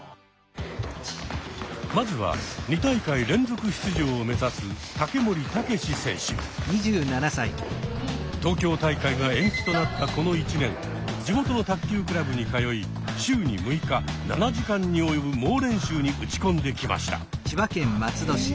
まずは２大会連続出場をめざす東京大会が延期となったこの１年地元の卓球クラブに通い週に６日７時間に及ぶ猛練習に打ち込んできました。